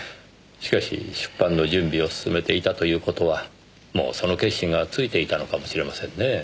しかし出版の準備を進めていたという事はもうその決心がついていたのかもしれませんねぇ。